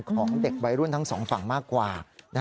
ของเด็กวัยรุ่นทั้งสองฝั่งมากกว่า